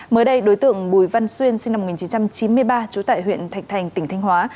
mới đây đối tượng bùi văn xuyên sinh năm một nghìn chín trăm chín mươi ba trú tại huyện thạch thành tỉnh thanh hóa